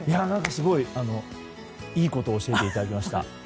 すごい！いいことを教えていただきました。